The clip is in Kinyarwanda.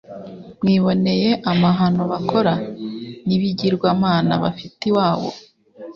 mwiboneye amahano bakora, n’ibigirwamana bafite iwabo,